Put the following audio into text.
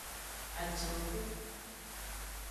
Acanku.